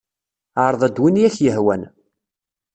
Ɛreḍ-d win ay ak-yehwan.